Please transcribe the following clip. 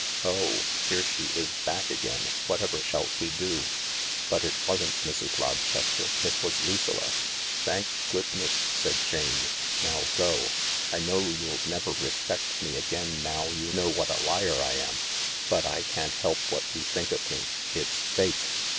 Oh, here she is back again — whatever shall we do ?" But it wasn't Mrs. Rochester, it was Lucilla. " Thank goodness I " said Jane. " Now go. I know you'll never respect me again now you know what a liar I am, but I can't help what you think of me. It's Fate."